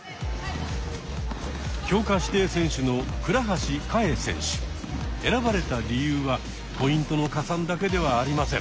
強化指定選手の選ばれた理由はポイントの加算だけではありません。